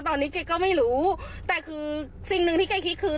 ตอนนี้แกก็ไม่รู้แต่คือสิ่งหนึ่งที่แกคิดคือ